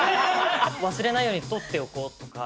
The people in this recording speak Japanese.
忘れないように録っておこうとか。